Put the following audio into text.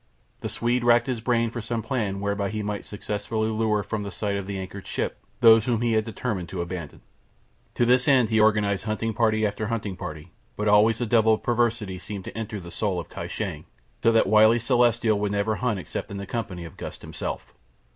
The Swede racked his brain for some plan whereby he might successfully lure from the sight of the anchored ship those whom he had determined to abandon. To this end he organized hunting party after hunting party, but always the devil of perversity seemed to enter the soul of Kai Shang, so that wily celestial would never hunt except in the company of Gust himself.